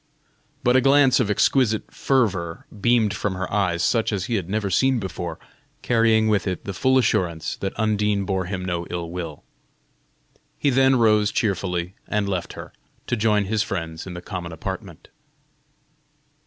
But a glance of exquisite fervor beamed from her eyes such as he had never seen before, carrying with it the full assurance that Undine bore him no ill will. He then rose cheerfully and left her, to join his friends in the common apartment.